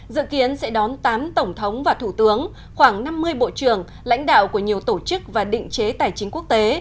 dự kiến sẽ đón tám tổng thống và thủ tướng khoảng năm mươi bộ trưởng lãnh đạo của nhiều tổ chức và định chế tài chính quốc tế